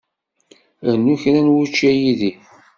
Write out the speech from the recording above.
Rnu kra n wučči a Yidir.